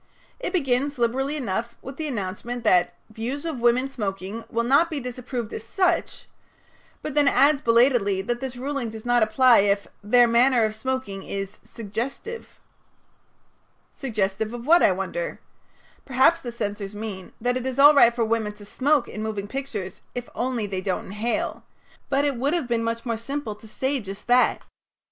It begins, liberally enough, with the announcement that "Views of women smoking will not be disapproved as such," but then adds belatedly that this ruling does not apply if "their manner of smoking is suggestive." Suggestive of what, I wonder? Perhaps the censors mean that it is all right for women to smoke in moving pictures if only they don't inhale, but it would have been much more simple to have said just that. No.